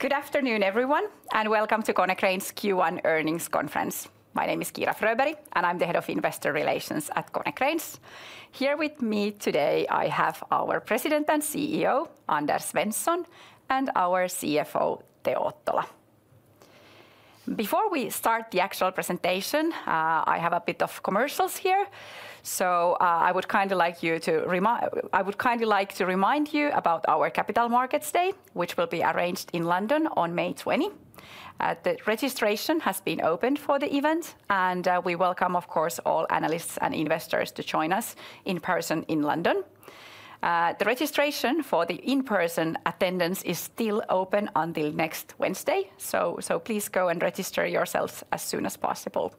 Good afternoon, everyone, and welcome to Konecranes Q1 earnings conference. My name is Kiira Fröberg, and I'm the Head of Investor Relations at Konecranes. Here with me today, I have our President and CEO, Anders Svensson, and our CFO, Teo Ottola. Before we start the actual presentation, I have a bit of commercials here. I would kind of like to remind you about our Capital Markets Day, which will be arranged in London on May 20. The registration has been opened for the event, and we welcome, of course, all analysts and investors to join us in person in London. The registration for the in-person attendance is still open until next Wednesday. Please go and register yourselves as soon as possible.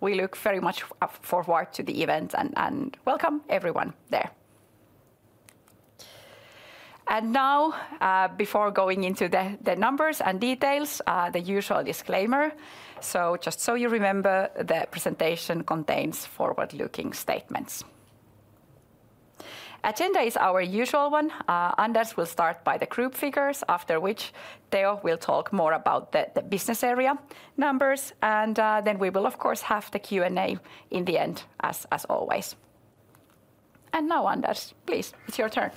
We look very much forward to the event and welcome everyone there. Now, before going into the numbers and details, the usual disclaimer. Just so you remember, the presentation contains forward-looking statements. Agenda is our usual one. Anders will start by the group figures, after which Teo will talk more about the business area numbers. We will, of course, have the Q&A in the end, as always. Now, Anders, please, it's your turn.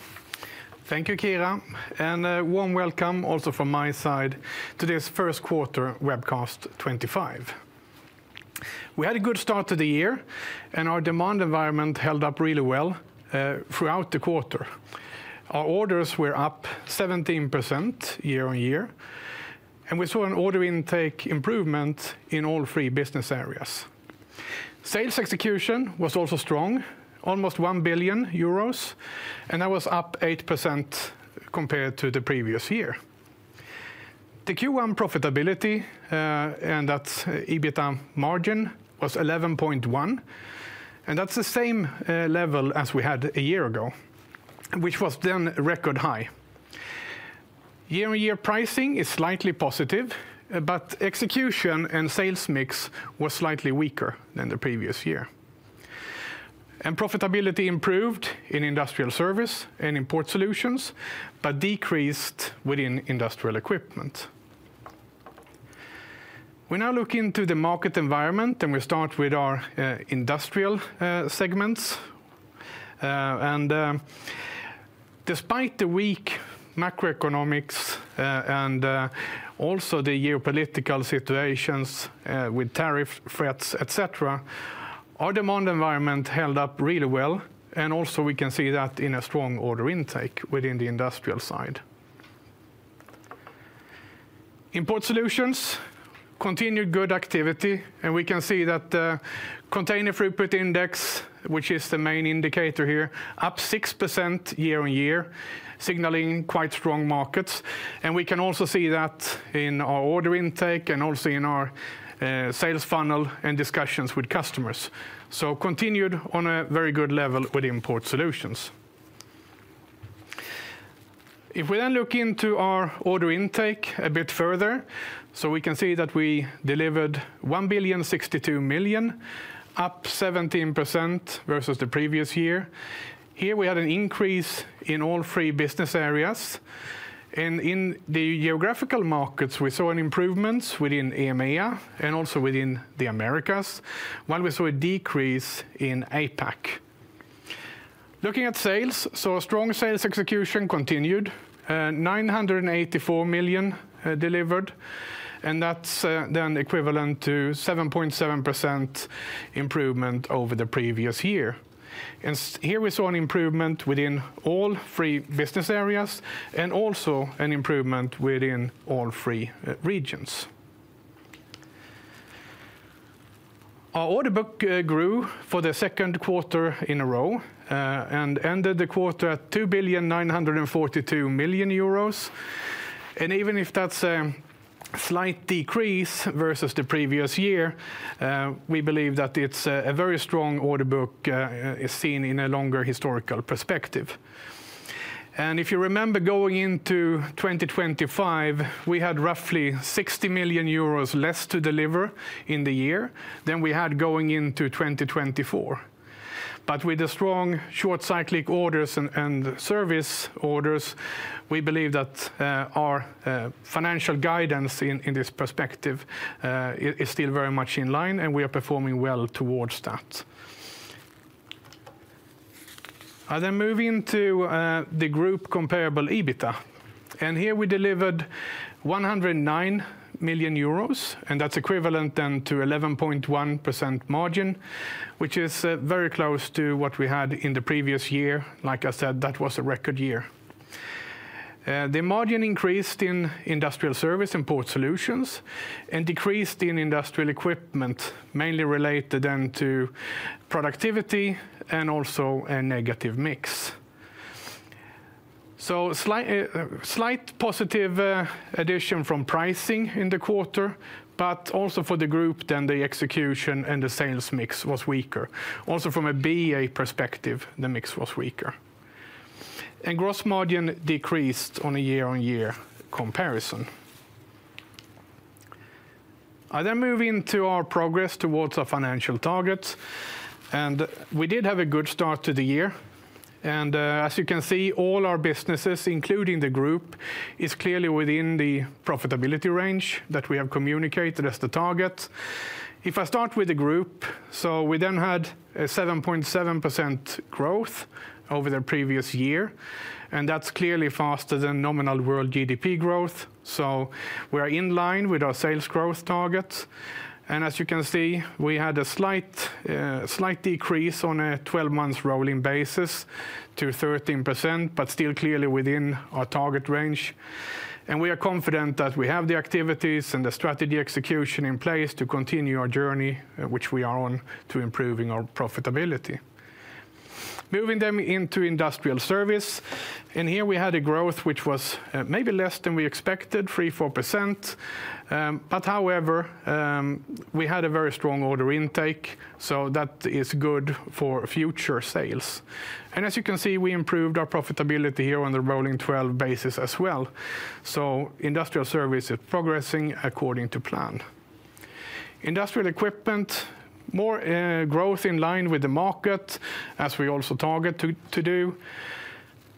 Thank you, Kiira. A warm welcome also from my side to this first quarter Webcast 2025. We had a good start to the year, and our demand environment held up really well throughout the quarter. Our orders were up 17% year-on-year, and we saw an order intake improvement in all three business areas. Sales execution was also strong, almost 1 billion euros, and that was up 8% compared to the previous year. The Q1 profitability and that EBITDA margin was 11.1%, and that is the same level as we had a year ago, which was then record high. Year-on-year pricing is slightly positive, but execution and sales mix was slightly weaker than the previous year. Profitability improved in Industrial Service and in Port Solutions, but decreased within Industrial Equipment. We now look into the market environment, and we start with our industrial segments. Despite the weak macroeconomics and also the geopolitical situations with tariff threats, etc., our demand environment held up really well. We can see that in a strong order intake within the industrial side. In Port Solutions, continued good activity, and we can see that the container throughput index, which is the main indicator here, is up 6% year-on-year, signaling quite strong markets. We can also see that in our order intake and also in our sales funnel and discussions with customers. Continued on a very good level with Port Solutions. If we then look into our order intake a bit further, we can see that we delivered 1.62 million, up 17% versus the previous year. Here we had an increase in all three business areas. In the geographical markets, we saw an improvement within EMEA and also within the Americas, while we saw a decrease in APAC. Looking at sales, strong sales execution continued, 984 million delivered, and that is then equivalent to 7.7% improvement over the previous year. Here we saw an improvement within all three business areas and also an improvement within all three regions. Our order book grew for the second quarter in a row and ended the quarter at 2.942 billion. Even if that is a slight decrease versus the previous year, we believe that it is a very strong order book seen in a longer historical perspective. If you remember going into 2025, we had roughly 60 million euros less to deliver in the year than we had going into 2024. With the strong short cyclic orders and service orders, we believe that our financial guidance in this perspective is still very much in line, and we are performing well towards that. I then move into the group comparable EBITDA. Here we delivered 109 million euros, and that's equivalent to an 11.1% margin, which is very close to what we had in the previous year. Like I said, that was a record year. The margin increased in industrial service and Port Solutions and decreased in industrial equipment, mainly related to productivity and also a negative mix. There was a slight positive addition from pricing in the quarter, but also for the group, the execution and the sales mix was weaker. Also from a BA perspective, the mix was weaker. Gross margin decreased on a year-on-year comparison. I then move into our progress towards our financial targets. We did have a good start to the year. As you can see, all our businesses, including the group, are clearly within the profitability range that we have communicated as the target. If I start with the group, we then had a 7.7% growth over the previous year, and that's clearly faster than nominal world GDP growth. We are in line with our sales growth targets. As you can see, we had a slight decrease on a 12-month rolling basis to 13%, but still clearly within our target range. We are confident that we have the activities and the strategy execution in place to continue our journey, which we are on to improving our profitability. Moving into industrial service, we had a growth which was maybe less than we expected, 3%-4%. However, we had a very strong order intake, so that is good for future sales. As you can see, we improved our profitability here on the rolling 12 basis as well. Industrial service is progressing according to plan. Industrial equipment, more growth in line with the market, as we also target to do.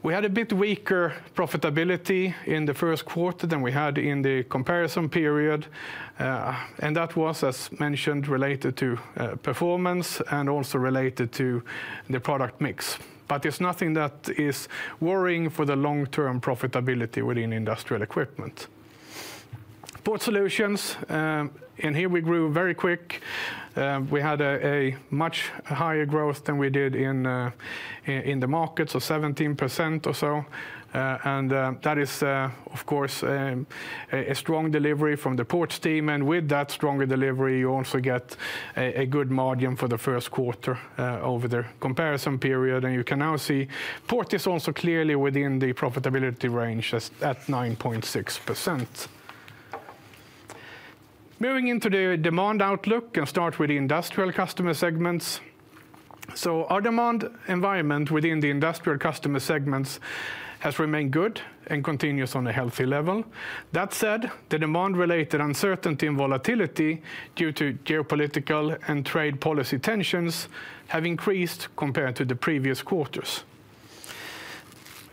We had a bit weaker profitability in the first quarter than we had in the comparison period. That was, as mentioned, related to performance and also related to the product mix. There is nothing that is worrying for the long-term profitability within industrial equipment. Port Solutions, here we grew very quick. We had a much higher growth than we did in the market, 17% or so. That is, of course, a strong delivery from the ports team. With that stronger delivery, you also get a good margin for the first quarter over the comparison period. You can now see Port is also clearly within the profitability range at 9.6%. Moving into the demand outlook, I'll start with the industrial customer segments. Our demand environment within the industrial customer segments has remained good and continues on a healthy level. That said, the demand-related uncertainty and volatility due to geopolitical and trade policy tensions have increased compared to the previous quarters.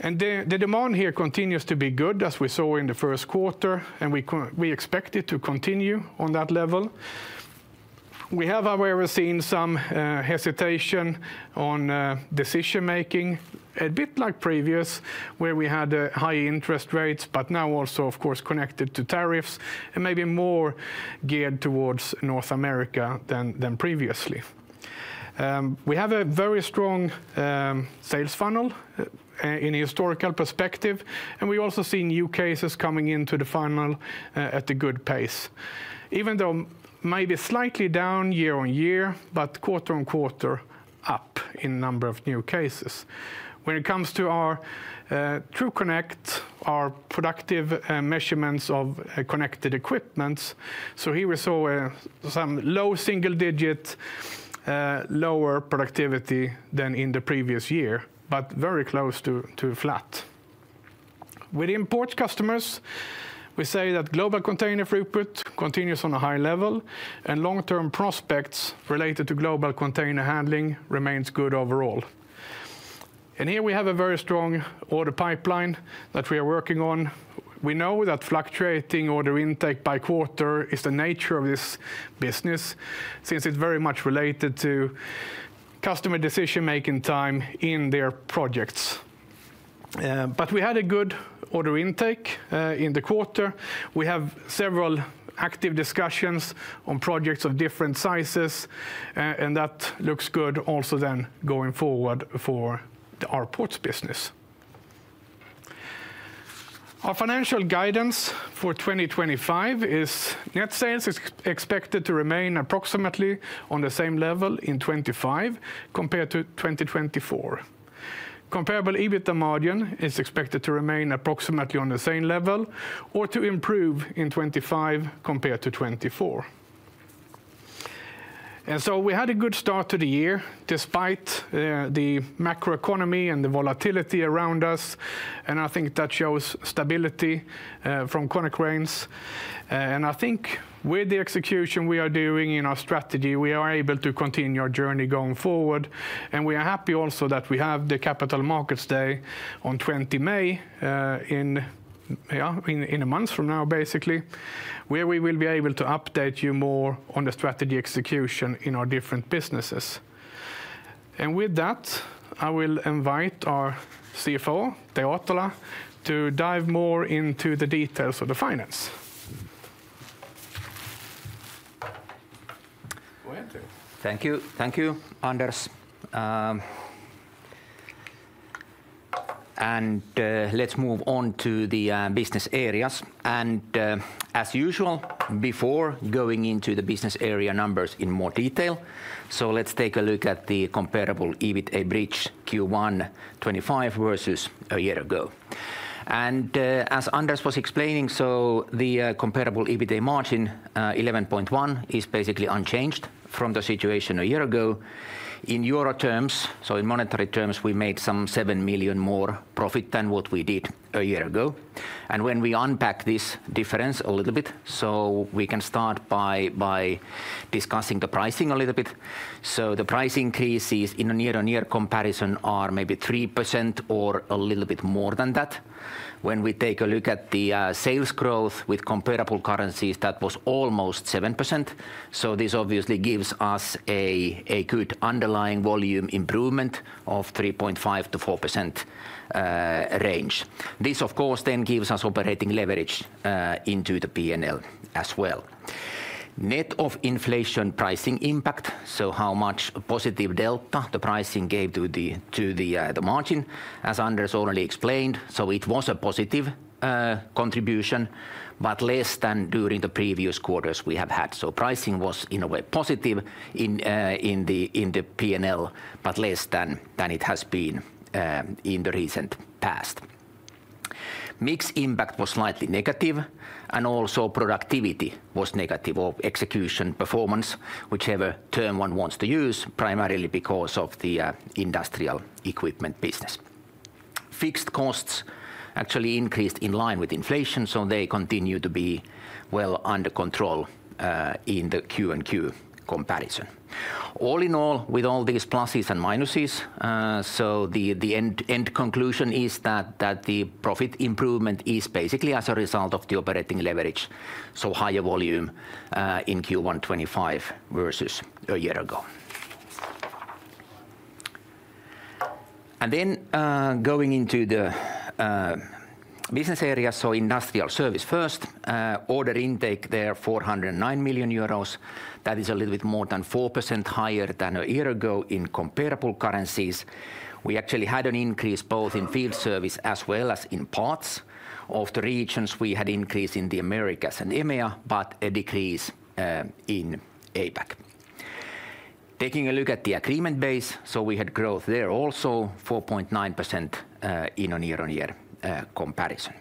The demand here continues to be good, as we saw in the first quarter, and we expect it to continue on that level. We have however seen some hesitation on decision-making, a bit like previous, where we had high interest rates, but now also, of course, connected to tariffs and maybe more geared towards North America than previously. We have a very strong sales funnel in a historical perspective, and we also see new cases coming into the funnel at a good pace, even though maybe slightly down year-on-year, but quarter-on-quarter up in number of new cases. When it comes to our TRUCONNECT, our productive measurements of connected equipment, here we saw some low single-digit lower productivity than in the previous year, but very close to flat. Within ports customers, we say that global container throughput continues on a high level, and long-term prospects related to global container handling remain good overall. We have a very strong order pipeline that we are working on. We know that fluctuating order intake by quarter is the nature of this business since it is very much related to customer decision-making time in their projects. We had a good order intake in the quarter. We have several active discussions on projects of different sizes, and that looks good also going forward for our ports business. Our financial guidance for 2025 is net sales is expected to remain approximately on the same level in 2025 compared to 2024. Comparable EBITDA margin is expected to remain approximately on the same level or to improve in 2025 compared to 2024. We had a good start to the year despite the macroeconomy and the volatility around us. I think that shows stability from Konecranes. I think with the execution we are doing in our strategy, we are able to continue our journey going forward. We are happy also that we have the Capital Markets Day on 20 May in a month from now, basically, where we will be able to update you more on the strategy execution in our different businesses. With that, I will invite our CFO, Teo Ottola, to dive more into the details of the finance. Thank you, Anders. Let's move on to the business areas. As usual, before going into the business area numbers in more detail, let's take a look at the comparable EBITDA bridge Q1 2025 versus a year ago. As Anders was explaining, the comparable EBITDA margin 11.1% is basically unchanged from the situation a year ago. In EUR terms, in monetary terms, we made some 7 million more profit than what we did a year ago. When we unpack this difference a little bit, we can start by discussing the pricing a little bit. The price increases in a near-to-near comparison are maybe 3% or a little bit more than that. When we take a look at the sales growth with comparable currencies, that was almost 7%. This obviously gives us a good underlying volume improvement of 3.5%-4% range. This, of course, then gives us operating leverage into the P&L as well. Net of inflation pricing impact, so how much positive delta the pricing gave to the margin, as Anders already explained, it was a positive contribution, but less than during the previous quarters we have had. Pricing was in a way positive in the P&L, but less than it has been in the recent past. Mixed impact was slightly negative, and also productivity was negative of execution performance, whichever term one wants to use, primarily because of the industrial equipment business. Fixed costs actually increased in line with inflation, so they continue to be well under control in the Q&Q comparison. All in all, with all these pluses and minuses, the end conclusion is that the profit improvement is basically as a result of the operating leverage, so higher volume in Q1 2025 versus a year ago. Going into the business areas, industrial service first, order intake there 409 million euros. That is a little bit more than 4% higher than a year ago in comparable currencies. We actually had an increase both in field service as well as in parts of the regions. We had increase in the Americas and EMEA, but a decrease in APAC. Taking a look at the agreement base, we had growth there also, 4.9% in a near-year-on-year comparison.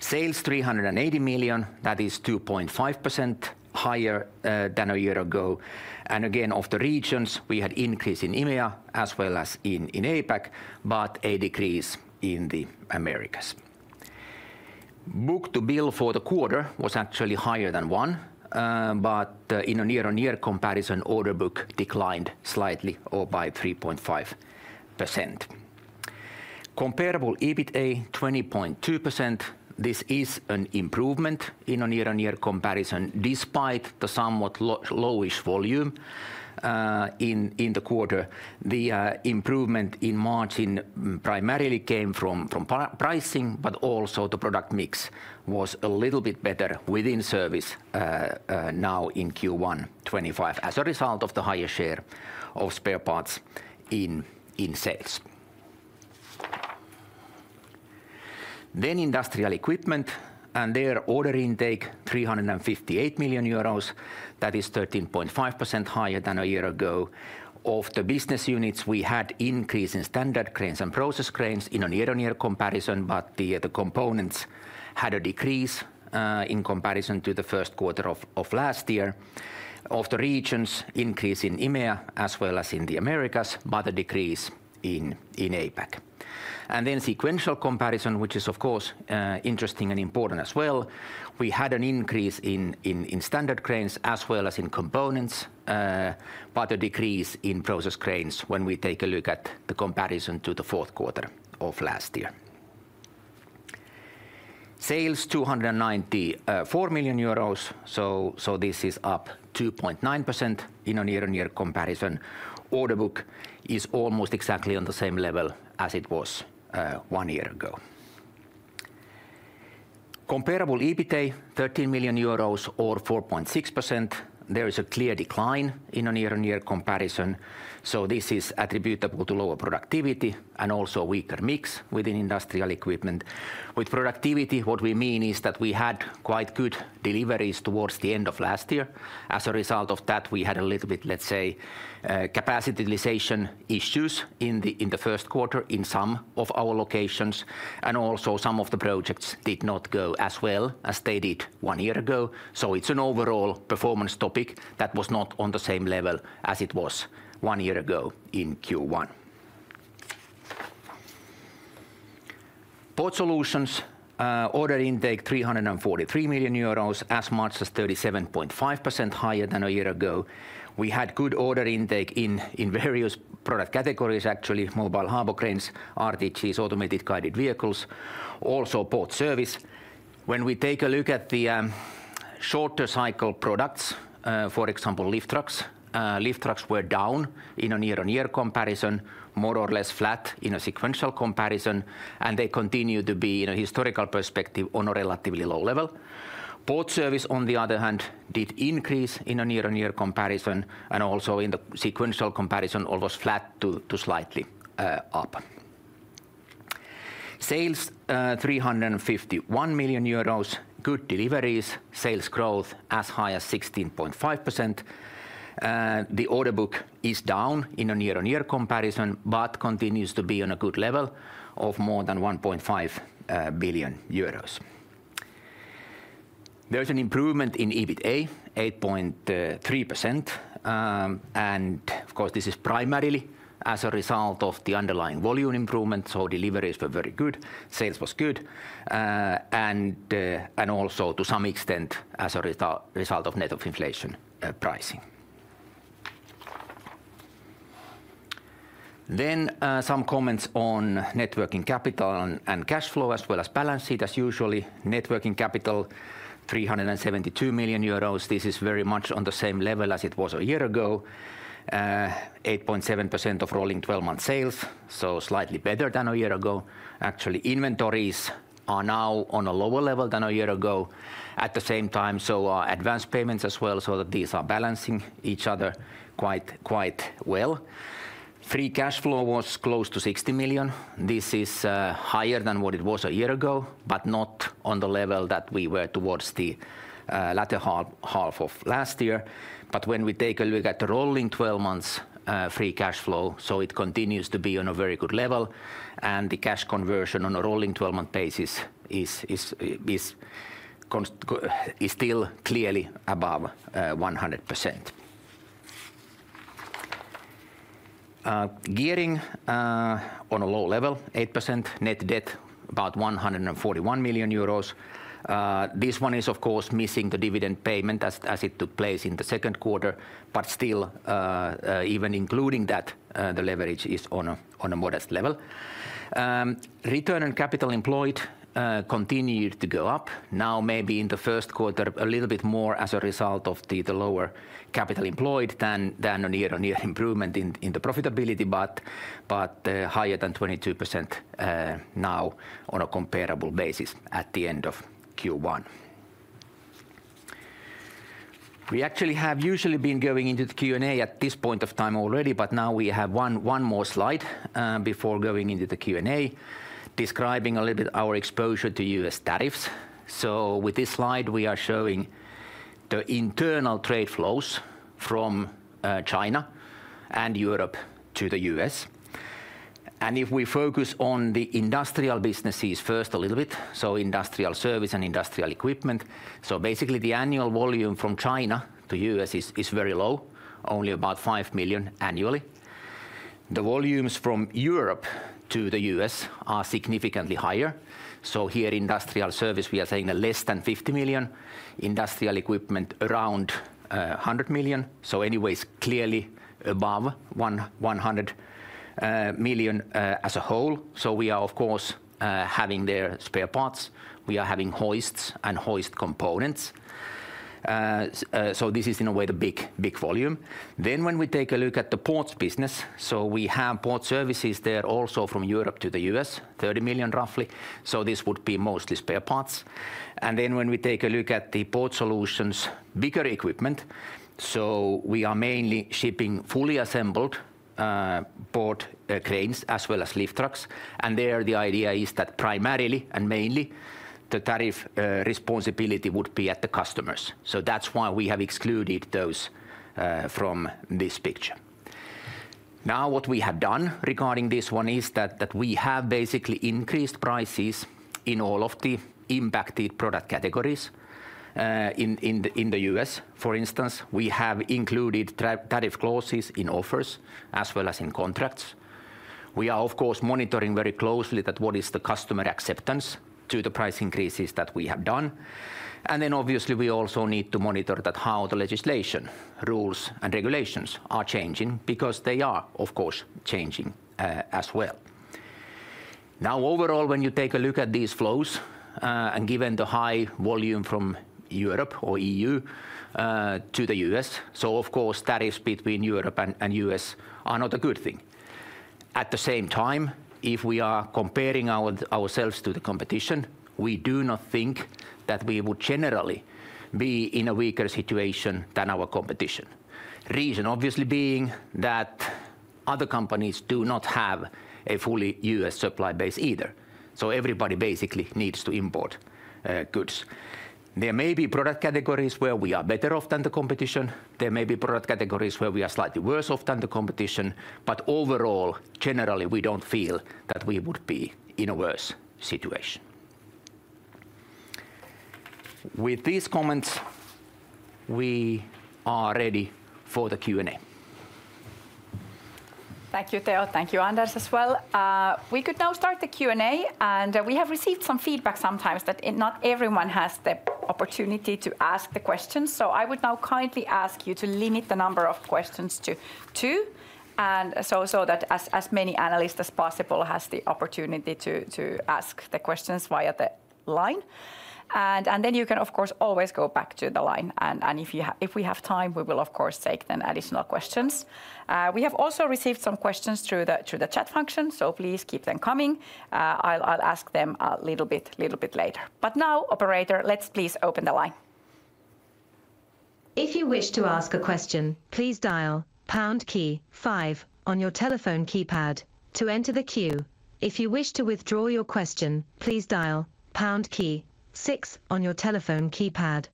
Sales 380 million, that is 2.5% higher than a year ago. Again, of the regions, we had increase in EMEA as well as in APAC, but a decrease in the Americas. Book-to-bill for the quarter was actually higher than one, but in a year-on-year comparison, order book declined slightly by 3.5%. Comparable EBITDA 20.2%, this is an improvement in a year-on-year comparison despite the somewhat lowish volume in the quarter. The improvement in margin primarily came from pricing, but also the product mix was a little bit better within service now in Q1 2025 as a result of the higher share of spare parts in sales. Industrial equipment and their order intake 358 million euros. That is 13.5% higher than a year ago. Of the business units, we had increase in Standard Cranes and Process Cranes in a year-on-year comparison, but the Components had a decrease in comparison to the first quarter of last year. Of the regions, increase in EMEA as well as in the Americas, but a decrease in APAC. Then sequential comparison, which is of course interesting and important as well. We had an increase in Standard Cranes as well as in Components, but a decrease in Process Cranes when we take a look at the comparison to the fourth quarter of last year. Sales 294 million euros, so this is up 2.9% in a near-year-on-year comparison. Order book is almost exactly on the same level as it was one year ago. Comparable EBITDA 13 million euros or 4.6%. There is a clear decline in a near-year-on-year comparison. This is attributable to lower productivity and also weaker mix within industrial equipment. With productivity, what we mean is that we had quite good deliveries towards the end of last year. As a result of that, we had a little bit, let's say, capacity utilization issues in the first quarter in some of our locations. Also, some of the projects did not go as well as they did one year ago. It is an overall performance topic that was not on the same level as it was one year ago in Q1. Port Solutions, order intake 343 million euros, as much as 37.5% higher than a year ago. We had good order intake in various product categories, actually, mobile harbor cranes, RTGs, automated guided vehicles, also Port Service. When we take a look at the shorter cycle products, for example, lift trucks, lift trucks were down in a year-on-year comparison, more or less flat in a sequential comparison, and they continue to be in a historical perspective on a relatively low level. Port Service, on the other hand, did increase in a year-on-year comparison, and also in the sequential comparison, almost flat to slightly up. Sales 351 million euros, good deliveries, sales growth as high as 16.5%. The order book is down in a near-year-on-year comparison, but continues to be on a good level of more than 1.5 billion euros. There is an improvement in EBITDA, 8.3%. Of course, this is primarily as a result of the underlying volume improvement, so deliveries were very good, sales was good, and also to some extent as a result of net of inflation pricing. Some comments on net working capital and cash flow as well as balance sheet as usual. Net working capital, 372 million euros. This is very much on the same level as it was a year ago, 8.7% of rolling 12-month sales, so slightly better than a year ago. Actually, inventories are now on a lower level than a year ago. At the same time, advance payments as well, so that these are balancing each other quite well. Free cash flow was close to 60 million. This is higher than what it was a year ago, but not on the level that we were towards the latter half of last year. When we take a look at the rolling 12-months free cash flow, it continues to be on a very good level. The cash conversion on a rolling 12-month basis is still clearly above 100%. Gearing on a low level, 8%, net debt about 141 million euros. This one is, of course, missing the dividend payment as it took place in the second quarter, but still, even including that, the leverage is on a modest level. Return on capital employed continued to go up, now maybe in the first quarter a little bit more as a result of the lower capital employed than a near-year-on-year improvement in the profitability, but higher than 22% now on a comparable basis at the end of Q1. We actually have usually been going into the Q&A at this point of time already, but now we have one more slide before going into the Q&A describing a little bit our exposure to U.S. tariffs. With this slide, we are showing the internal trade flows from China and Europe to the U.S. If we focus on the industrial businesses first a little bit, industrial service and industrial equipment, basically the annual volume from China to the U.S. is very low, only about 5 million annually. The volumes from Europe to the U.S. are significantly higher. Here in industrial service, we are saying less than 50 million, industrial equipment around 100 million, so anyways clearly above 100 million as a whole. We are, of course, having there spare parts. We are having hoists and hoist components. This is in a way the big volume. When we take a look at the ports business, we have port services there also from Europe to the U.S., 30 million roughly. This would be mostly spare parts. When we take a look at the Port Solutions, bigger equipment, we are mainly shipping fully assembled port cranes as well as lift trucks. There the idea is that primarily and mainly the tariff responsibility would be at the customers. That is why we have excluded those from this picture. Now what we have done regarding this one is that we have basically increased prices in all of the impacted product categories in the U.S. For instance, we have included tariff clauses in offers as well as in contracts. We are, of course, monitoring very closely what is the customer acceptance to the price increases that we have done. Obviously, we also need to monitor how the legislation, rules, and regulations are changing because they are, of course, changing as well. Overall, when you take a look at these flows and given the high volume from Europe or EU to the U.S., tariffs between Europe and the US are not a good thing. At the same time, if we are comparing ourselves to the competition, we do not think that we would generally be in a weaker situation than our competition. Reason obviously being that other companies do not have a fully U.S. supply base either. Everybody basically needs to import goods. There may be product categories where we are better off than the competition. There may be product categories where we are slightly worse off than the competition. Overall, generally we do not feel that we would be in a worse situation. With these comments, we are ready for the Q&A. Thank you, Teo. Thank you, Anders as well. We could now start the Q&A, and we have received some feedback sometimes that not everyone has the opportunity to ask the questions. I would now kindly ask you to limit the number of questions to two, so that as many analysts as possible have the opportunity to ask the questions via the line. You can, of course, always go back to the line. If we have time, we will, of course, take additional questions. We have also received some questions through the chat function, so please keep them coming. I'll ask them a little bit later. Now, operator, let's please open the line. If you wish to ask a question, please dial Pound key five on your telephone keypad to enter the queue. If you wish to withdraw your question, please dial Pound key six on your telephone keypad.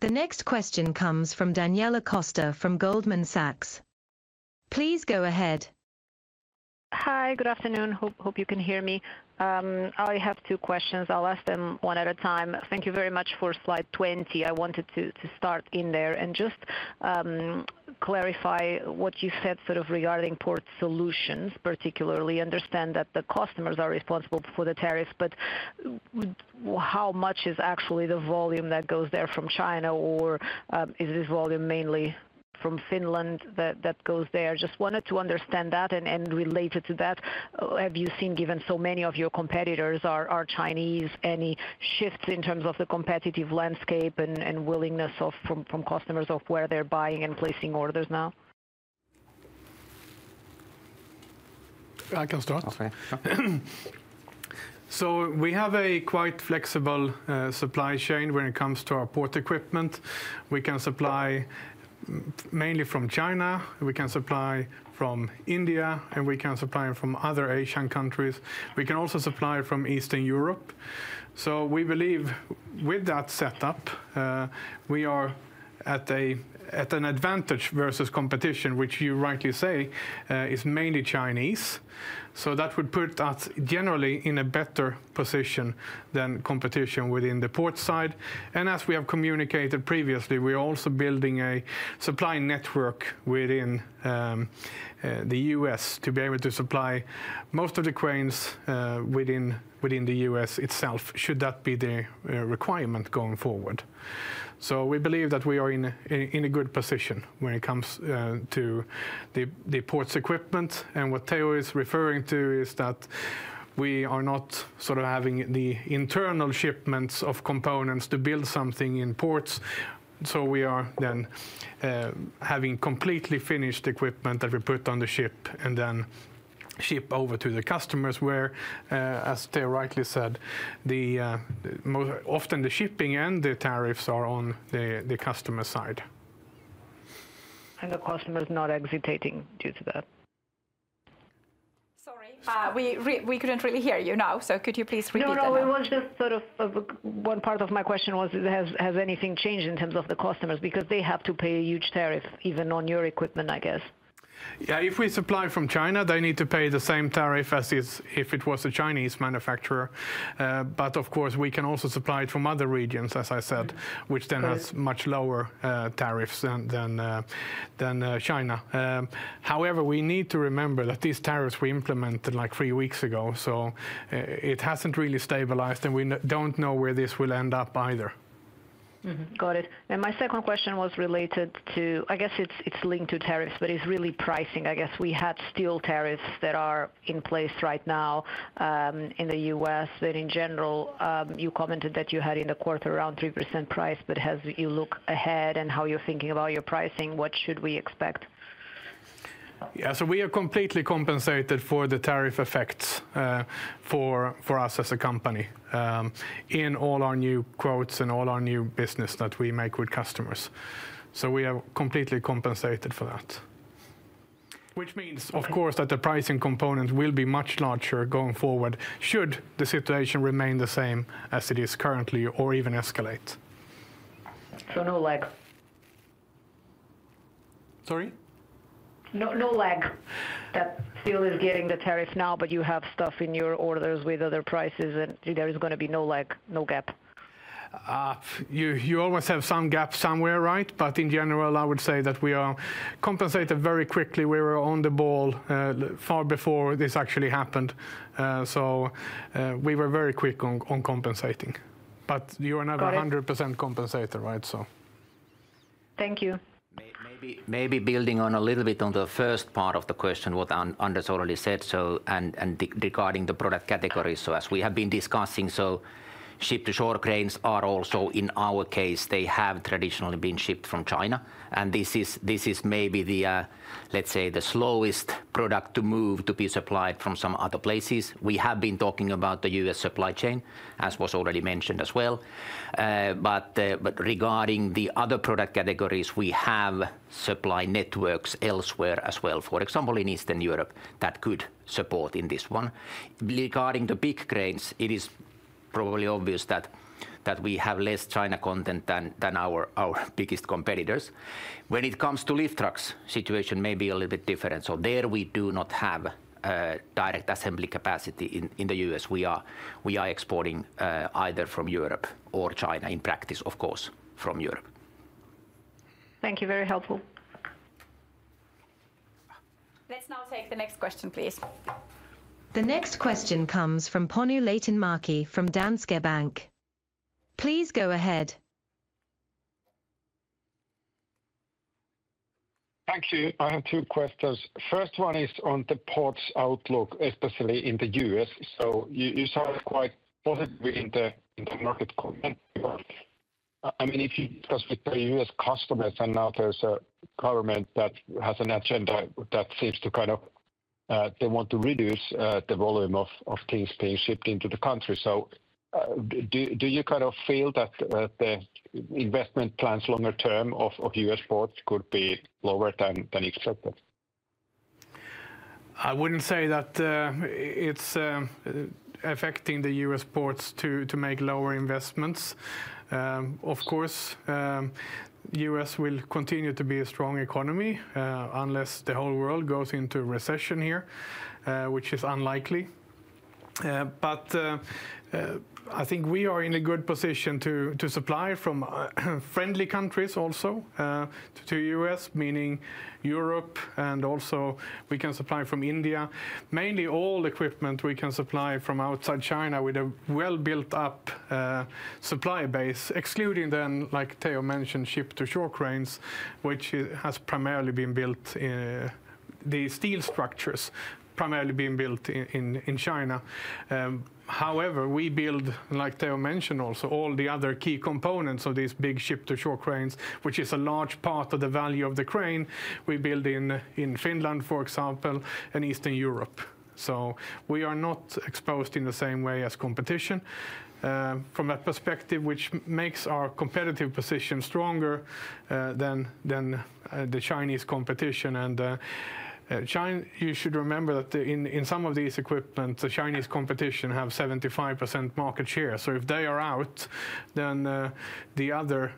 The next question comes from Daniela Costa from Goldman Sachs. Please go ahead. Hi, good afternoon. Hope you can hear me. I have two questions. I'll ask them one at a time. Thank you very much for slide 20. I wanted to start in there and just clarify what you said sort of regarding Port Solutions, particularly understand that the customers are responsible for the tariffs, but how much is actually the volume that goes there from China, or is this volume mainly from Finland that goes there? Just wanted to understand that. Related to that, have you seen, given so many of your competitors are Chinese, any shifts in terms of the competitive landscape and willingness from customers of where they're buying and placing orders now? I can start. We have a quite flexible supply chain when it comes to our port equipment. We can supply mainly from China, we can supply from India, and we can supply from other Asian countries. We can also supply from Eastern Europe. We believe with that setup, we are at an advantage versus competition, which you rightly say is mainly Chinese. That would put us generally in a better position than competition within the port side. As we have communicated previously, we are also building a supply network within the U.S. to be able to supply most of the cranes within the U.S. itself, should that be the requirement going forward. We believe that we are in a good position when it comes to the ports equipment. What Teo is referring to is that we are not sort of having the internal shipments of components to build something in ports. We are then having completely finished equipment that we put on the ship and then ship over to the customers, where, as Teo rightly said, often the shipping and the tariffs are on the customer side. The customer is not hesitating due to that. Sorry, we could not really hear you now, so could you please repeat that? No, no, it was just sort of one part of my question was, has anything changed in terms of the customers because they have to pay a huge tariff even on your equipment, I guess? Yeah, if we supply from China, they need to pay the same tariff as if it was a Chinese Manufacturer. Of course, we can also supply it from other regions, as I said, which then has much lower tariffs than China. However, we need to remember that these tariffs were implemented like three weeks ago, so it has not really stabilized and we do not know where this will end up either. Got it. My second question was related to, I guess it is linked to tariffs, but it is really pricing. I guess we had steel tariffs that are in place right now in the U.S. In general, you commented that you had in the quarter around 3% price, but as you look ahead and how you're thinking about your pricing, what should we expect? Yeah, we are completely compensated for the tariff effects for us as a company in all our new quotes and all our new business that we make with customers. We are completely compensated for that. Which means, of course, that the pricing component will be much larger going forward should the situation remain the same as it is currently or even escalate. No lag? Sorry? No lag. That steel is getting the tariff now, but you have stuff in your orders with other prices and there is going to be no lag, no gap. You always have some gap somewhere, right? In general, I would say that we are compensated very quickly. We were on the ball far before this actually happened. We were very quick on compensating. You are never 100% compensated, right? Thank you. Maybe building on a little bit on the first part of the question, what Anders already said, and regarding the product categories. As we have been discussing, Ship-to-Shore cranes are also in our case, they have traditionally been shipped from China. This is maybe the, let's say, the slowest product to move to be supplied from some other places. We have been talking about the U.S. supply chain, as was already mentioned as well. Regarding the other product categories, we have supply networks elsewhere as well, for example, in Eastern Europe that could support in this one. Regarding the big cranes, it is probably obvious that we have less China content than our biggest competitors. When it comes to lift trucks, the situation may be a little bit different. There we do not have direct assembly capacity in the U.S. We are exporting either from Europe or China, in practice, of course, from Europe. Thank you, very helpful. Let's now take the next question, please. The next question comes from Panu Laitinmäki from Danske Bank. Please go ahead. Thank you. I have two questions. First one is on the Ports outlook, especially in the U.S. You sound quite positive in the market comment. I mean, if you discuss with the U.S. customers and now there is a government that has an agenda that seems to kind of, they want to reduce the volume of things being shipped into the country. Do you kind of feel that the investment plans longer term of U.S. ports could be lower than expected? I would not say that it is affecting the U.S. ports to make lower investments. Of course, the U.S. will continue to be a strong economy unless the whole world goes into recession here, which is unlikely. I think we are in a good position to supply from friendly countries also to the U.S., meaning Europe, and also we can supply from India. Mainly all equipment we can supply from outside China with a well-built-up supply base, excluding then, like Teo mentioned, Ship-to-Shore cranes, which have primarily been built, the steel structures primarily being built in China. However, we build, like Teo mentioned also, all the other key components of these big Ship-to-Shore cranes, which is a large part of the value of the crane we build in Finland, for example, and Eastern Europe. We are not exposed in the same way as competition from that perspective, which makes our competitive position stronger than the Chinese competition. You should remember that in some of these equipment, the Chinese competition have 75% market share. If they are out, then the other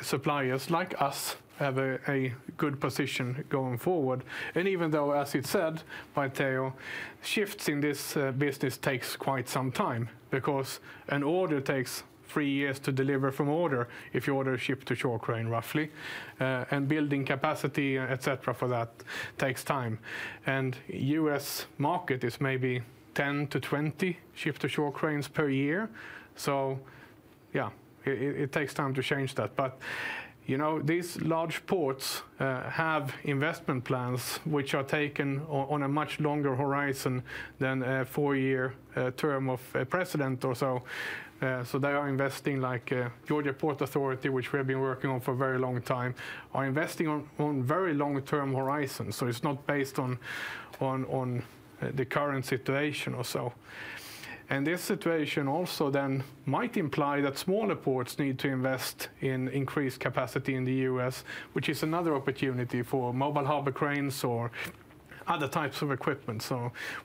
suppliers like us have a good position going forward. Even though, as you said by Teo, shifts in this business takes quite some time because an order takes three years to deliver from order if you order a Ship-to-Shore crane roughly. Building capacity, etc., for that takes time. U.S. market is maybe 10-20 Ship-to-Shore cranes per year. Yeah, it takes time to change that. These large ports have investment plans which are taken on a much longer horizon than a four-year term of precedent or so. They are investing, like Georgia Ports Authority, which we have been working on for a very long time, are investing on very long-term horizons. It is not based on the current situation or so. This situation also then might imply that smaller ports need to invest in increased capacity in the U.S., which is another opportunity for mobile harbor cranes or other types of equipment.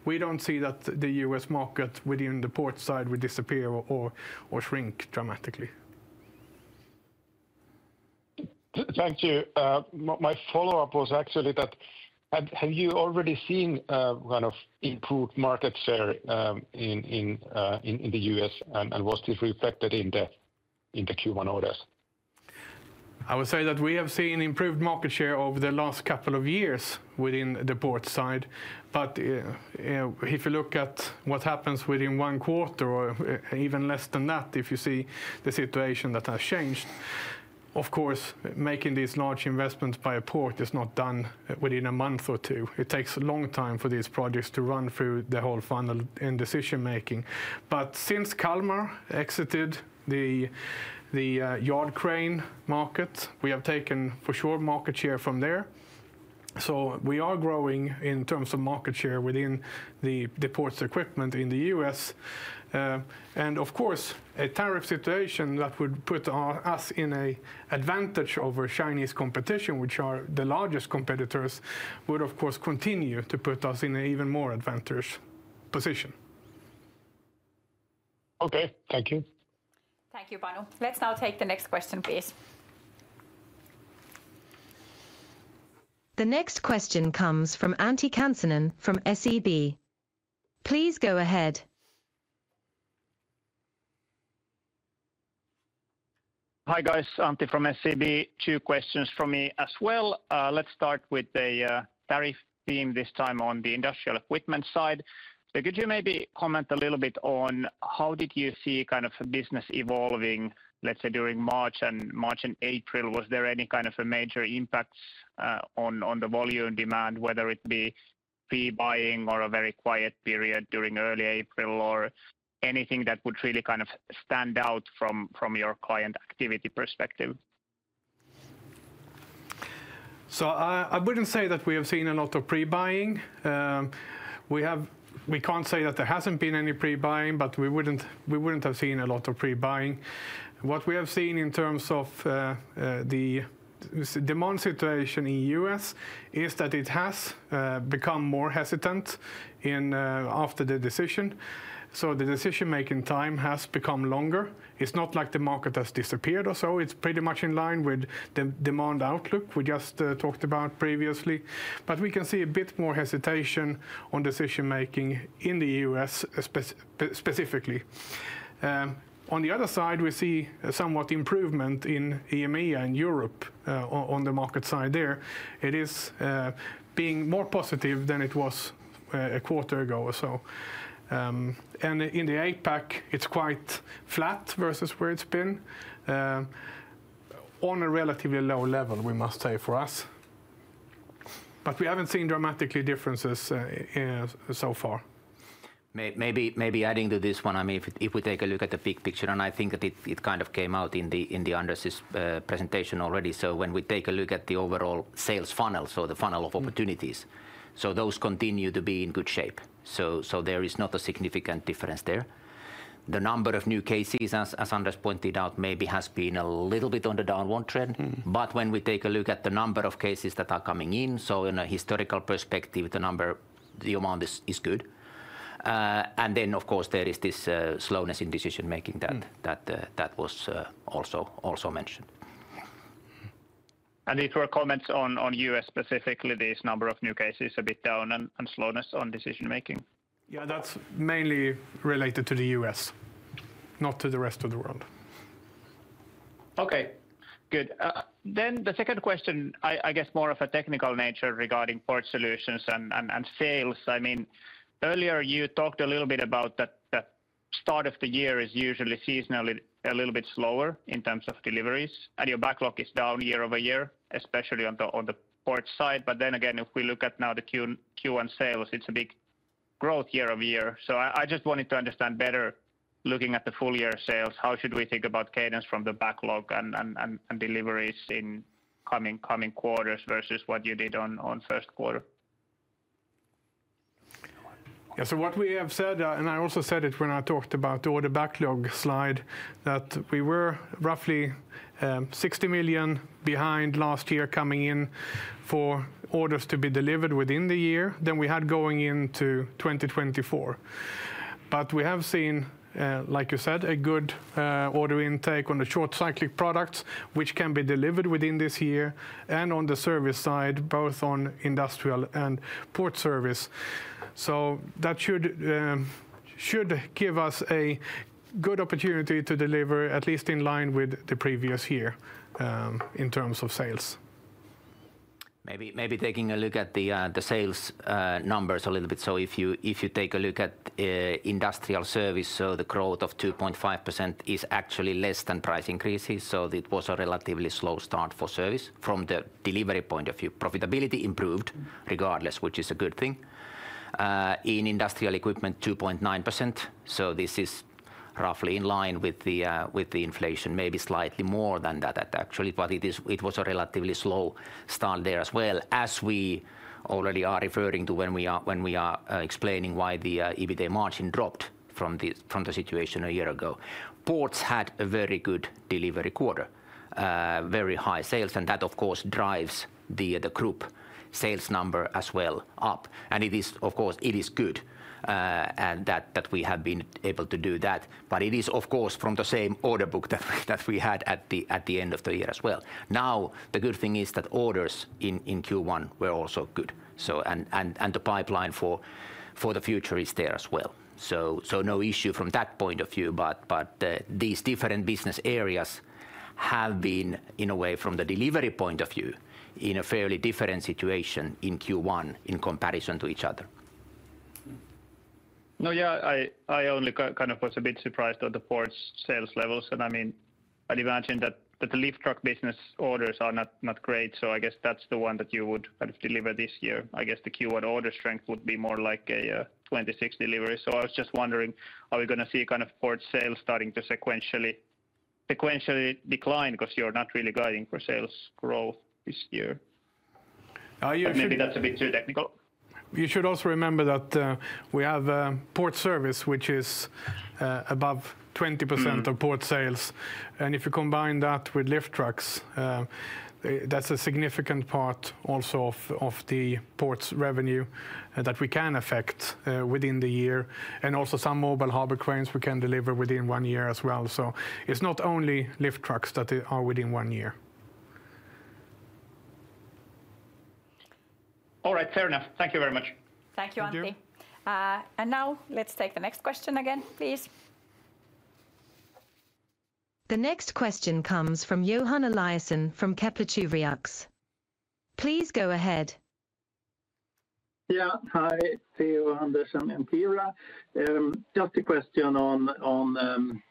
We do not see that the U.S. market within the port side would disappear or shrink dramatically. Thank you. My follow-up was actually that, have you already seen kind of improved market share in the U.S.? Was this reflected in the Q1 orders? I would say that we have seen improved market share over the last couple of years within the port side. If you look at what happens within one quarter or even less than that, if you see the situation that has changed, of course, making these large investments by a port is not done within a month or two. It takes a long time for these projects to run through the whole final decision-making. Since Kalmar exited the yard crane market, we have taken for sure market share from there. We are growing in terms of market share within the ports equipment in the U.S. Of course a tariff situation that would put us in an advantage over Chinese competition, which are the largest competitors, would of course continue to put us in an even more advantageous position. Okay, thank you. Thank you, Panu. Let's now take the next question, please. The next question comes from Antti Kansanen from SEB. Please go ahead. Hi guys, Antti from SEB. Two questions for me as well. Let's start with the tariff theme this time on the industrial equipment side. Could you maybe comment a little bit on how did you see kind of business evolving, let's say during March and April? Was there any kind of a major impact on the volume demand, whether it be pre-buying or a very quiet period during early April, or anything that would really kind of stand out from your client activity perspective? I wouldn't say that we have seen a lot of pre-buying. We can't say that there hasn't been any pre-buying, but we wouldn't have seen a lot of pre-buying. What we have seen in terms of the demand situation in the U.S. is that it has become more hesitant after the decision. The decision-making time has become longer. It's not like the market has disappeared or so. It's pretty much in line with the demand outlook we just talked about previously. We can see a bit more hesitation on decision-making in the U.S. specifically. On the other side, we see somewhat improvement in EMEA and Europe on the market side there. It is being more positive than it was a quarter ago or so. In the APAC, it's quite flat versus where it's been on a relatively low level, we must say for us. We haven't seen dramatically differences so far. Maybe adding to this one, I mean, if we take a look at the big picture, and I think that it kind of came out in Anders's presentation already. When we take a look at the overall sales funnel, so the funnel of opportunities, those continue to be in good shape. There is not a significant difference there. The number of new cases, as Anders pointed out, maybe has been a little bit on the downward trend. When we take a look at the number of cases that are coming in, in a historical perspective, the number, the amount is good. Of course, there is this slowness in decision-making that was also mentioned. These were comments on the U.S. specifically, this number of new cases a bit down and slowness on decision-making. Yeah, that's mainly related to the US, not to the rest of the world. Okay, good. The second question, I guess more of a technical nature regarding Port Solutions and sales. I mean, earlier you talked a little bit about that start of the year is usually seasonally a little bit slower in terms of deliveries and your backlog is down year-over-year, especially on the port side. If we look at now the Q1 sales, it's a big growth year-over-year. I just wanted to understand better looking at the full year sales, how should we think about cadence from the backlog and deliveries in coming quarters versus what you did on first quarter? Yeah, what we have said, and I also said it when I talked about the order backlog slide, is that we were roughly 60 million behind last year coming in for orders to be delivered within the year than we had going into 2024. We have seen, like you said, a good order intake on the short cyclic products, which can be delivered within this year and on the service side, both on industrial and port service. That should give us a good opportunity to deliver, at least in line with the previous year in terms of sales. Maybe taking a look at the sales numbers a little bit. If you take a look at industrial service, the growth of 2.5% is actually less than price increases. It was a relatively slow start for service from the delivery point of view. Profitability improved regardless, which is a good thing. In industrial equipment, 2.9%. This is roughly in line with the inflation, maybe slightly more than that actually, but it was a relatively slow start there as well, as we already are referring to when we are explaining why the EBITDA margin dropped from the situation a year ago. Ports had a very good delivery quarter, very high sales, and that of course drives the group sales number as well up. It is, of course, good that we have been able to do that. It is, of course, from the same order book that we had at the end of the year as well. The good thing is that orders in Q1 were also good. The pipeline for the future is there as well. No issue from that point of view. These different business areas have been, in a way, from the delivery point of view, in a fairly different situation in Q1 in comparison to each other. No, yeah, I only kind of was a bit surprised at the ports sales levels. I mean, I'd imagine that the lift truck business orders are not great. I guess that's the one that you would kind of deliver this year. I guess the Q1 order strength would be more like a 2026 delivery. I was just wondering, are we going to see kind of port sales starting to sequentially decline because you're not really guiding for sales growth this year. Maybe that's a bit too technical. You should also remember that we have port service, which is above 20% of port sales. If you combine that with lift trucks, that's a significant part also of the ports revenue that we can affect within the year. Also, some mobile harbor cranes we can deliver within one year as well. It's not only lift trucks that are within one year. All right, fair enough. Thank you very much. Thank you, Antti. Now let's take the next question again, please. The next question comes from Johan Eliason from Kepler Cheuvreux. Please go ahead. Yeah, hi, Teo, Anders, and Kiira. Just a question on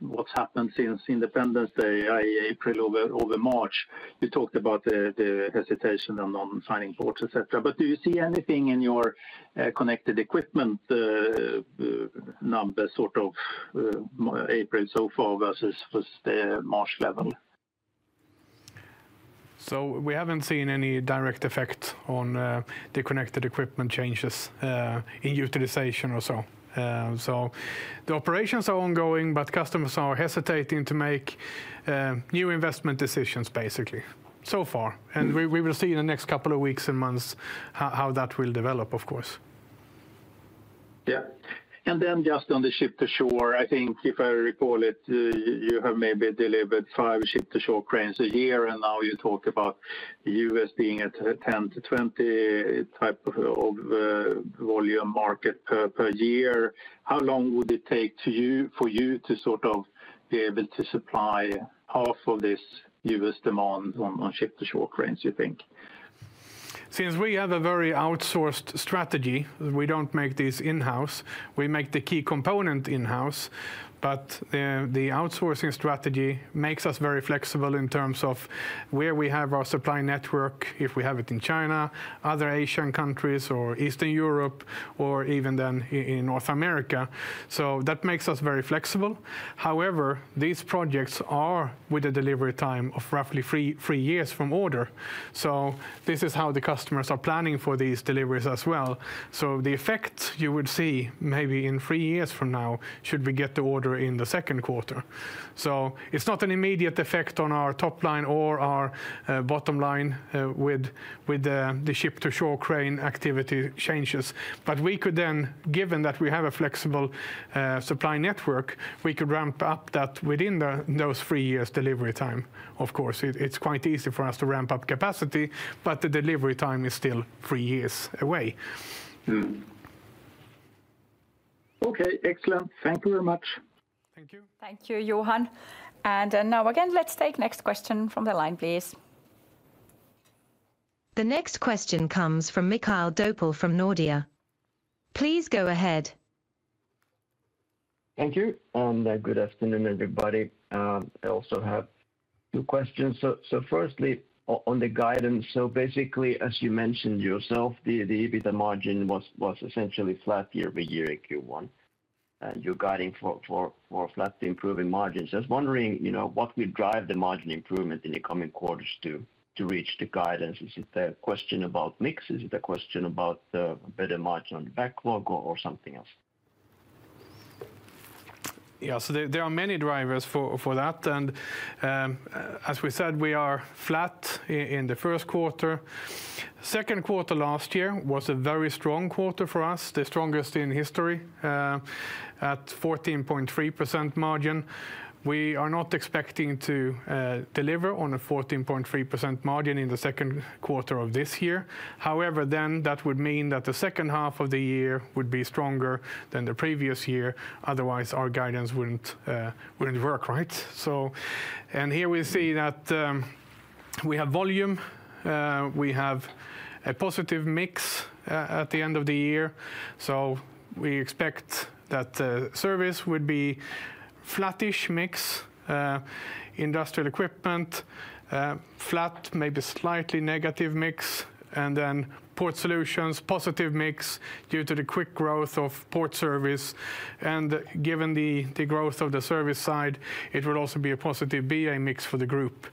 what's happened since Independence Day, April over March. You talked about the hesitation on signing ports, etc. Do you see anything in your connected equipment number, sort of April so far versus the March level? We haven't seen any direct effect on the connected equipment changes in utilization or so. The operations are ongoing, but customers are hesitating to make new investment decisions basically so far. We will see in the next couple of weeks and months how that will develop, of course. Yeah. Just on the Ship-to-Shore, I think if I recall it, you have maybe delivered five Ship-to-Shore cranes a year, and now you talk about the U.S. being a 10-20 type of volume market per year. How long would it take for you to sort of be able to supply half of this US demand on Ship-to-Shore cranes, you think? Since we have a very outsourced strategy, we do not make these in-house. We make the key component in-house. The outsourcing strategy makes us very flexible in terms of where we have our supply network, if we have it in China, other Asian countries, or Eastern Europe, or even then in North America. That makes us very flexible. However, these projects are with a delivery time of roughly three years from order. This is how the customers are planning for these deliveries as well. The effect you would see maybe in three years from now should we get the order in the second quarter. It is not an immediate effect on our top line or our bottom line with the Ship-to-Shore crane activity changes. We could then, given that we have a flexible supply network, ramp up that within those three years delivery time. Of course, it's quite easy for us to ramp up capacity, but the delivery time is still three years away. Okay, excellent. Thank you very much. Thank you. Thank you, Johan. Now again, let's take next question from the line, please. The next question comes from Mikael Ropponen from Nordea. Please go ahead. Thank you. And good afternoon, everybody. I also have two questions. Firstly, on the guidance, basically, as you mentioned yourself, the EBITDA margin was essentially flat year-over-year in Q1. You're guiding for flat improving margins. I was wondering what would drive the margin improvement in the coming quarters to reach the guidance? Is it a question about mix? Is it a question about a better margin on backlog or something else? Yeah, there are many drivers for that. As we said, we are flat in the first quarter. Second quarter last year was a very strong quarter for us, the strongest in history at 14.3% margin. We are not expecting to deliver on a 14.3% margin in the second quarter of this year. However, that would mean that the second half of the year would be stronger than the previous year. Otherwise, our guidance would not work, right? Here we see that we have volume, we have a positive mix at the end of the year. We expect that service would be flattish mix, industrial equipment, flat, maybe slightly negative mix, and Port Solutions, positive mix due to the quick growth of port service. Given the growth of the service side, it would also be a positive BA mix for the group.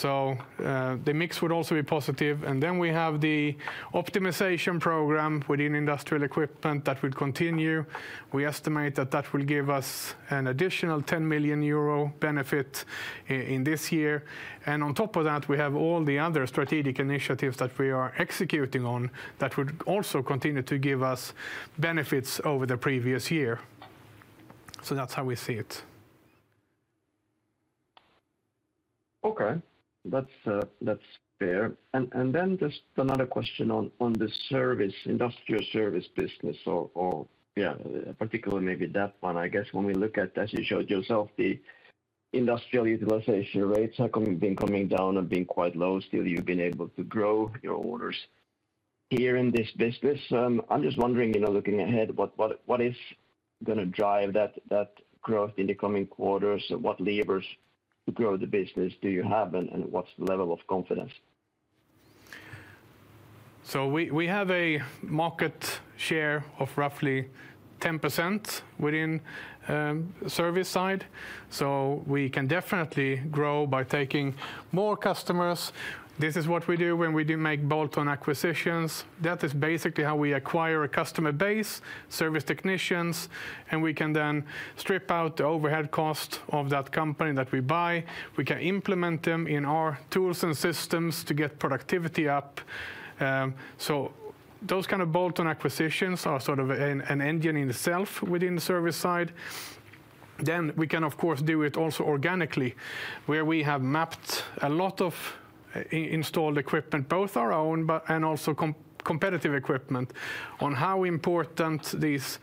The mix would also be positive. We have the optimization program within industrial equipment that would continue. We estimate that that will give us an additional 10 million euro benefit in this year. On top of that, we have all the other strategic initiatives that we are executing on that would also continue to give us benefits over the previous year. That is how we see it. Okay, that is fair. Just another question on the service, industrial service business, or yeah, particularly maybe that one. I guess when we look at, as you showed yourself, the industrial utilization rates have been coming down and being quite low. Still, you have been able to grow your orders here in this business. I am just wondering, looking ahead, what is going to drive that growth in the coming quarters? What levers to grow the business do you have and what is the level of confidence? We have a market share of roughly 10% within service side. We can definitely grow by taking more customers. This is what we do when we do make bolt-on acquisitions. That is basically how we acquire a customer base, service technicians, and we can then strip out the overhead cost of that company that we buy. We can implement them in our tools and systems to get productivity up. Those kind of bolt-on acquisitions are sort of an engine in itself within the service side. We can, of course, do it also organically, where we have mapped a lot of installed equipment, both our own and also competitive equipment, on how important this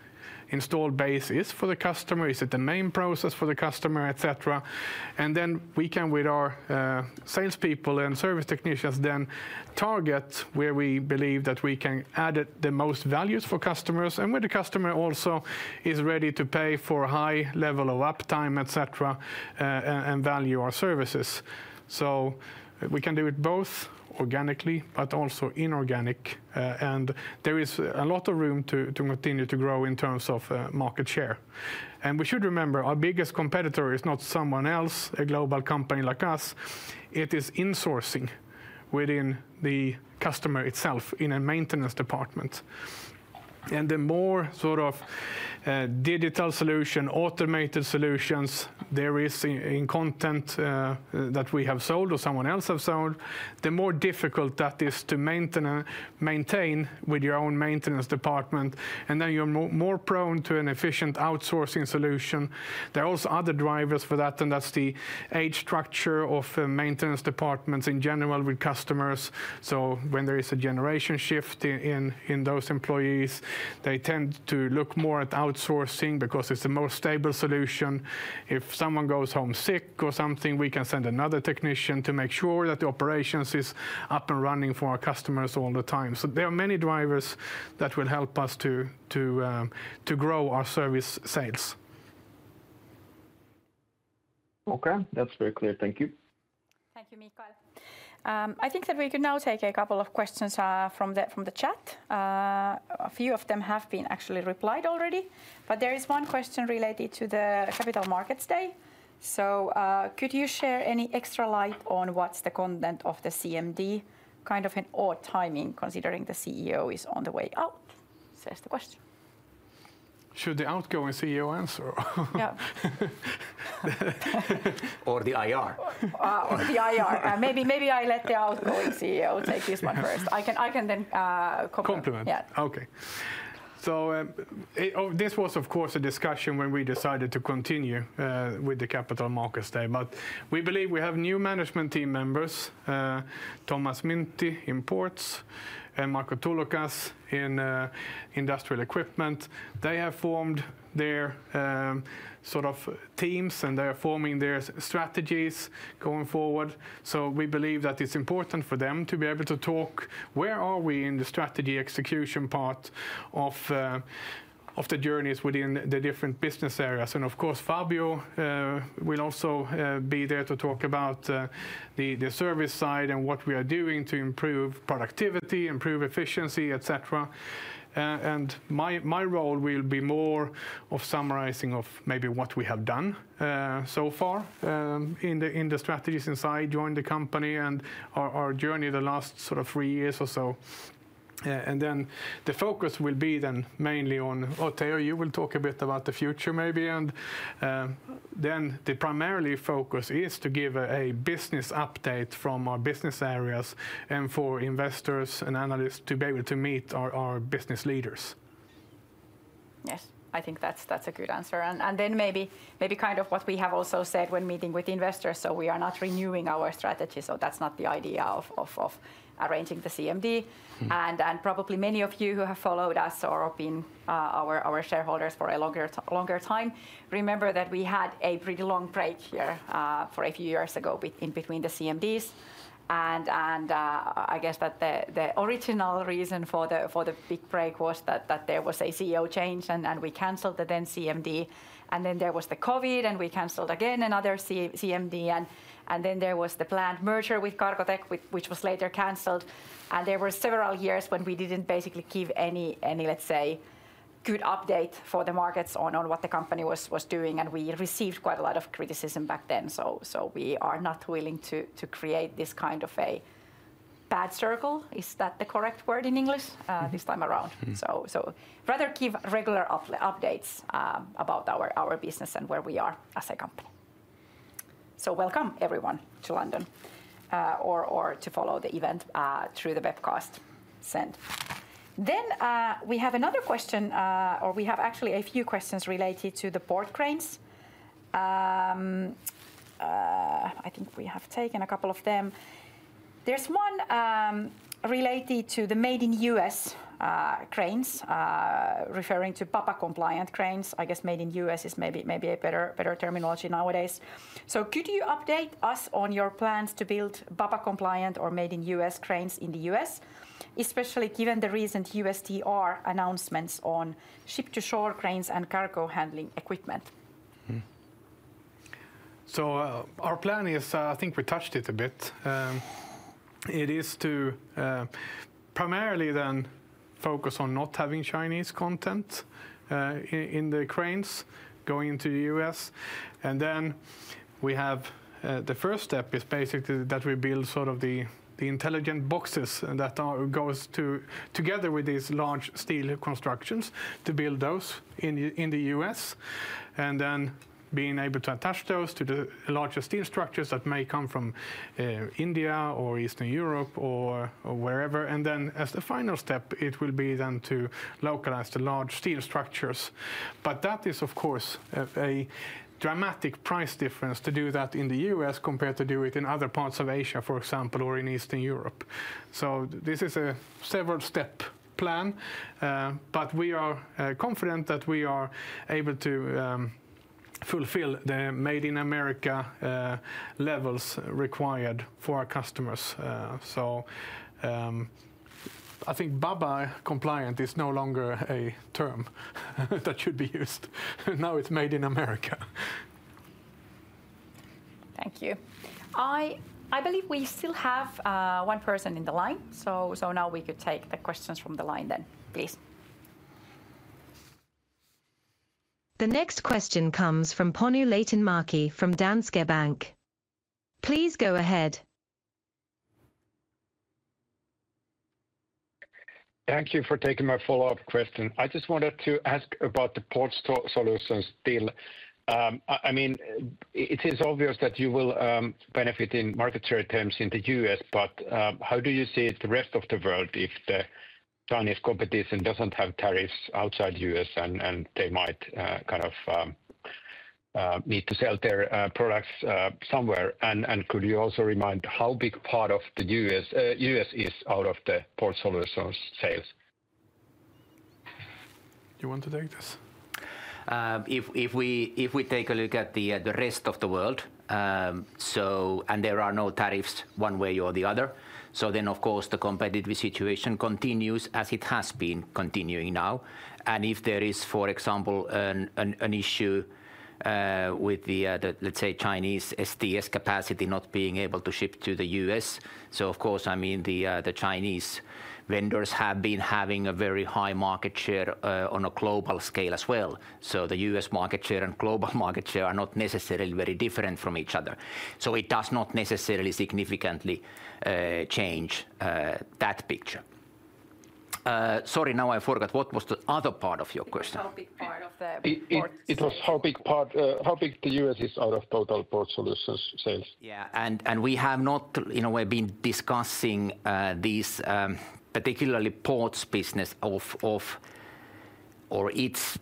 installed base is for the customer. Is it the main process for the customer, etc.? We can, with our salespeople and service technicians, then target where we believe that we can add the most values for customers and where the customer also is ready to pay for a high level of uptime, etc., and value our services. We can do it both organically, but also inorganic. There is a lot of room to continue to grow in terms of market share. We should remember our biggest competitor is not someone else, a global company like us. It is insourcing within the customer itself in a maintenance department. The more sort of digital solution, automated solutions there is in content that we have sold or someone else has sold, the more difficult that is to maintain with your own maintenance department. You are more prone to an efficient outsourcing solution. There are also other drivers for that, and that's the age structure of maintenance departments in general with customers. When there is a generation shift in those employees, they tend to look more at outsourcing because it's the most stable solution. If someone goes home sick or something, we can send another technician to make sure that the operations is up and running for our customers all the time. There are many drivers that will help us to grow our service sales. Okay, that's very clear. Thank you. Thank you, Mikael. I think that we could now take a couple of questions from the chat. A few of them have been actually replied already, but there is one question related to the Capital Markets Day. Could you share any extra light on what's the content of the CMD, kind of an odd timing considering the CEO is on the way out? Says the question. Should the outgoing CEO answer? Yeah. Or the IR. Or the IR. Maybe I let the outgoing CEO take this one first. I can then complement. Compliment. Yeah. Okay. This was, of course, a discussion when we decided to continue with the Capital Markets Day. We believe we have new management team members, Thomas Hinnerskov in ports and Marko Tulokas in industrial equipment. They have formed their sort of teams, and they are forming their strategies going forward. We believe that it's important for them to be able to talk where are we in the strategy execution part of the journeys within the different business areas. Of course, Fabio will also be there to talk about the service side and what we are doing to improve productivity, improve efficiency, etc. My role will be more of summarizing maybe what we have done so far in the strategies since I joined the company and our journey the last sort of three years or so. The focus will be then mainly on, Teo, you will talk a bit about the future maybe. The primary focus is to give a business update from our business areas and for investors and analysts to be able to meet our business leaders. Yes, I think that's a good answer. Maybe kind of what we have also said when meeting with investors, we are not renewing our strategy. That's not the idea of arranging the CMD. Probably many of you who have followed us or been our shareholders for a longer time remember that we had a pretty long break here a few years ago in between the CMDs. I guess that the original reason for the big break was that there was a CEO change and we canceled the then CMD. Then there was COVID and we canceled again another CMD. Then there was the planned merger with Cargotec, which was later canceled. There were several years when we did not basically give any, let's say, good update for the markets on what the company was doing. We received quite a lot of criticism back then. We are not willing to create this kind of a bad circle. Is that the correct word in English? This time around. Rather, give regular updates about our business and where we are as a company. Welcome everyone to London or to follow the event through the webcast sent. We have another question, or we have actually a few questions related to the port cranes. I think we have taken a couple of them. There is one related to the Made in U.S. cranes, referring to BABA compliant cranes. I guess Made in U.S. is maybe a better terminology nowadays. Could you update us on your plans to build BABA compliant or Made in U.S. cranes in the U.S., especially given the recent USTR announcements on Ship-to-Shore cranes and cargo handling equipment? Our plan is, I think we touched it a bit. It is to primarily then focus on not having Chinese content in the cranes going into the U.S. The first step is basically that we build sort of the intelligent boxes that go together with these large steel constructions to build those in the U.S. Then being able to attach those to the larger steel structures that may come from India or Eastern Europe or wherever. As the final step, it will be to localize the large steel structures. That is, of course, a dramatic price difference to do that in the U.S. compared to doing it in other parts of Asia, for example, or in Eastern Europe. This is a several-step plan, but we are confident that we are able to fulfill the Made in America levels required for our customers. I think BABA compliant is no longer a term that should be used. Now it is Made in America. Thank you. I believe we still have one person in the line. Now we could take the questions from the line, then, please. The next question comes from Panu Laitinmäki from Danske Bank. Please go ahead. Thank you for taking my follow-up question. I just wanted to ask about the ports solutions deal. I mean, it is obvious that you will benefit in market share terms in the U.S., but how do you see the rest of the world if the Chinese competition does not have tariffs outside the U.S. and they might kind of need to sell their products somewhere? Could you also remind how big part of the U.S. is out of the ports solutions sales? Do you want to take this? If we take a look at the rest of the world, and there are no tariffs one way or the other, the competitive situation continues as it has been continuing now. If there is, for example, an issue with the, let's say, Chinese STS capacity not being able to ship to the U.S., the Chinese vendors have been having a very high market share on a global scale as well. The U.S. market share and global market share are not necessarily very different from each other. It does not necessarily significantly change that picture. Sorry, now I forgot. What was the other part of your question? How big part of the ports? It was how big part, how big the U.S. is out of total Port Solutions sales. Yeah, we have not, in a way, been discussing this, particularly ports business or its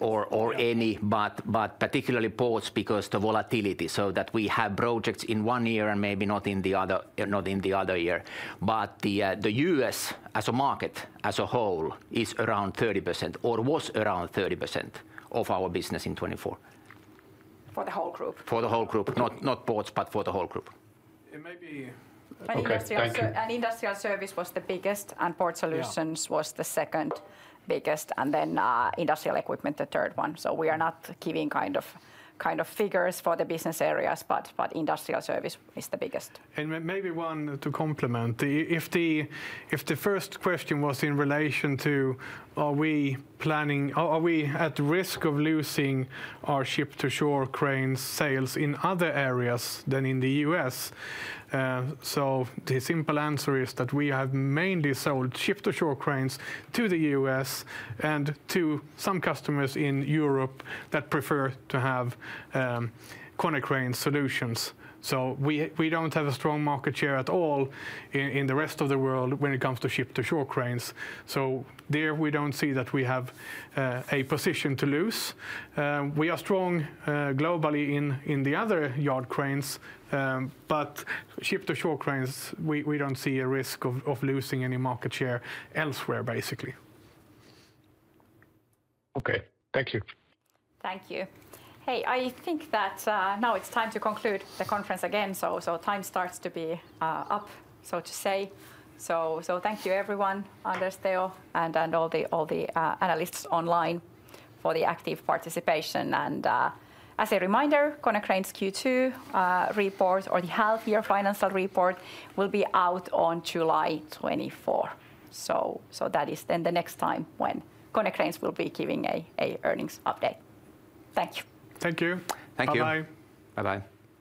or any, but particularly ports because the volatility, so that we have projects in one year and maybe not in the other year. The U.S. as a market as a whole is around 30% or was around 30% of our business in 2024. For the whole group. For the whole group, not ports, but for the whole group. It may be industrial service was the biggest and Port Solutions was the second biggest, and then industrial equipment the third one. We are not giving kind of figures for the business areas, but industrial service is the biggest. Maybe one to complement, if the first question was in relation to are we planning, are we at risk of losing our Ship-to-Shore cranes sales in other areas than in the U.S.? The simple answer is that we have mainly sold Ship-to-Shore cranes to the US and to some customers in Europe that prefer to have Konecrane solutions. We do not have a strong market share at all in the rest of the world when it comes to Ship-to-Shore cranes. There we do not see that we have a position to lose. We are strong globally in the other yard cranes, but Ship-to-Shore cranes, we do not see a risk of losing any market share elsewhere, basically. Okay, thank you. Thank you. I think that now it is time to conclude the conference again. Time starts to be up, so to say. Thank you, everyone, Anders, Teo, and all the analysts online for the active participation. As a reminder, Konecranes Q2 report or the half year financial report will be out on July 24. That is then the next time when Konecranes will be giving an earnings update. Thank you. Thank you. Bye Bye Thank you. Bye. Bye-bye.